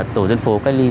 tổ dân phố cách ly